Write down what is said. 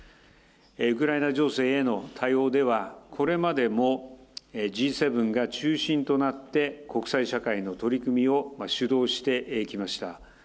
ウクライナ情勢への対応では、これまでもＧ７が中心となって、国際社会の取り組みを主導してきました。